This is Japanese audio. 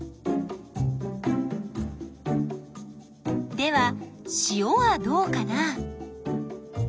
では塩はどうかな？